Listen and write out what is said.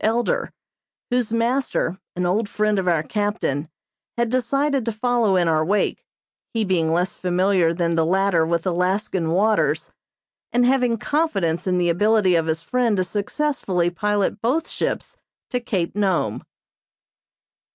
Elder," whose master, an old friend of our captain, had decided to follow in our wake, he being less familiar than the latter with Alaskan waters, and having confidence in the ability of his friend to successfully pilot both ships to Cape Nome.